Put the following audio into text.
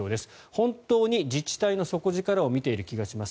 本当に自治体の底力を見ている気がします。